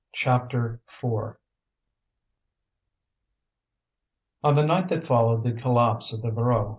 CHAPTER IV On the night that followed the collapse of the Voreux M.